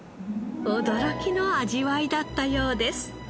驚きの味わいだったようです。